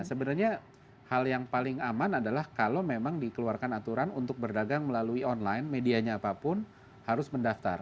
sebenarnya hal yang paling aman adalah kalau memang dikeluarkan aturan untuk berdagang melalui online medianya apapun harus mendaftar